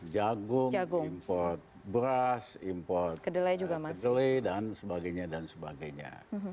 jagung import beras import kedelai dan sebagainya